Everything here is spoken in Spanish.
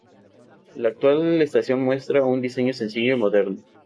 La actual estación muestra un diseño sencillo y moderno.